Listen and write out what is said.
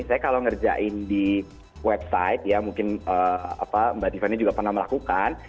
saya kalau ngerjain di website ya mungkin mbak tiffany juga pernah melakukan